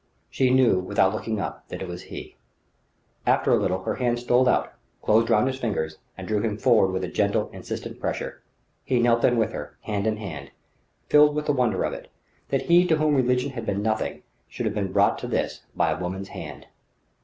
She knew, without looking up, that it was he.... After a little her hand stole out, closed round his fingers, and drew him forward with a gentle, insistent pressure. He knelt then with her, hand in hand filled with the wonder of it, that he to whom religion had been nothing should have been brought to this by a woman's hand.